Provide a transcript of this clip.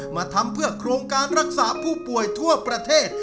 มาทำเพื่อโครงการรักษาผู้ป่วยทั่วประเทศ